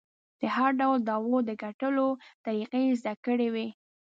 د هر ډول دعوو د ګټلو طریقې یې زده کړې وې.